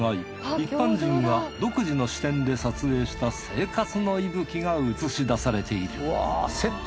一般人が独自の視点で撮影した生活の息吹が映し出されている。